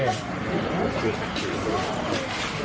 หรือ